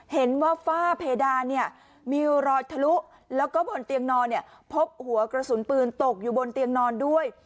เห็นว่าฝ้าเพดานเนี่ยมีรอยทะลุแล้วก็บนเตียงนอนเนี่ยพบหัวกระสุนปืนตกอยู่บนเตียงนอนด้วย